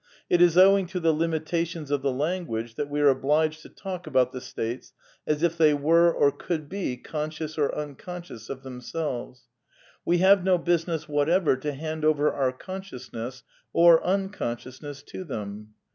It is owing to the limitations of the language that we are obliged to talk about the states as if they were or could be conscious or unconscious of themselves. We have no business whatever to hand over our consciousness or unconsciousness to them.